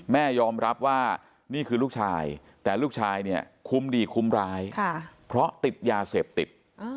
แม่ยอมรับว่านี่คือลูกชายแต่ลูกชายเนี่ยคุ้มดีคุ้มร้ายเพราะติดยาเสพติด